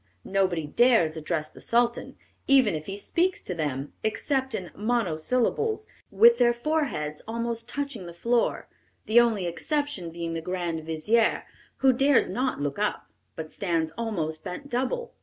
Nobody dares address the Sultan, even if he speaks to them, except in monosyllables, with their foreheads almost touching the floor, the only exception being the grand vizier, who dares not look up, but stands almost bent double.